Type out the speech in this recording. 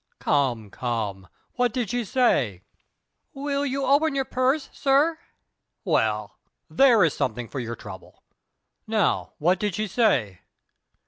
"Come, come, what did she say?" "If you will open your purse, sir...." "Well, there is something for your trouble. Now, what did she say?"